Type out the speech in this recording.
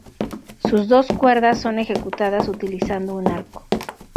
Sus dos cuerdas son ejecutadas utilizando un arco.